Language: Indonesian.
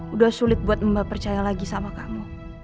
udah sulit buat mbak percaya lagi sama kamu